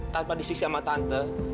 tanpa disiksa sama tante